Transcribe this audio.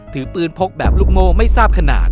ถือปืนพกแบบลูกโม่ไม่ทราบขนาด